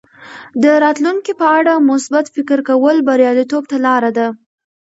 د راتلونکي په اړه مثبت فکر کول بریالیتوب ته لاره ده.